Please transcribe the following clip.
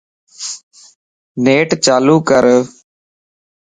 نيٽ چالو ڪر